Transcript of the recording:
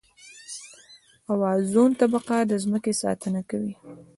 د اوزون طبقه د ځمکې ساتنه کوي